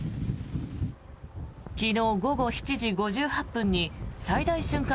昨日午後７時５８分に最大瞬間